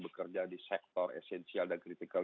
bekerja di sektor esensial dan kritikal